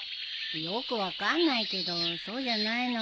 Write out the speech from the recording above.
よく分かんないけどそうじゃないの？